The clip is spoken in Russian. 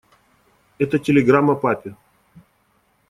Это телеграмма папе.